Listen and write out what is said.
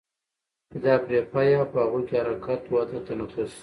چې دا پرې پايي او په هغو کې حرکت، وده، تنفس